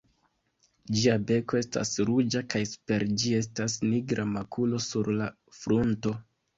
Ĝia beko estas ruĝa kaj super ĝi estas nigra makulo sur la frunto.